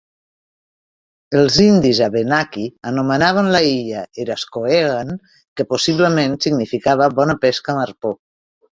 Els indis Abenaki anomenaven la illa Erascohegan, que possiblement significava "bona pesca amb arpó".